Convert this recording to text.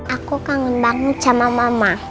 aku kangen banget sama mama